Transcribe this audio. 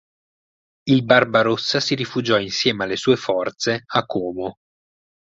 Il Barbarossa si rifugiò insieme alle sue forze a Como.